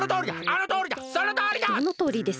あのとおりだ！